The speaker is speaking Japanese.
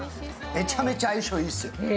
めちゃめちゃ相性いいっすよ。